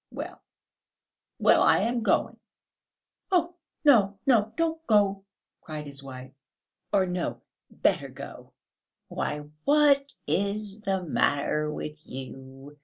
"Well, well; I am going!" "Oh, no, no; don't go!" cried his wife; "or, no, better go!" "Why, what is the matter with you!